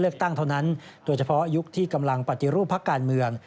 เท่านั้นโดยเฉพาะยุคที่กำลังปฏิรูปพักการเมือง